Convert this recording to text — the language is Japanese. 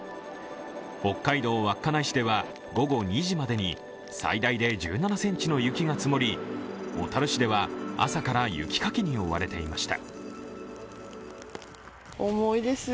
北海道稚内市では午後２時までに最大で１７ｃｍの雪が積もり、小樽市では朝から雪かきに追われていました。